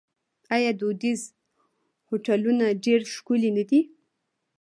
آیا دودیز هوټلونه ډیر ښکلي نه دي؟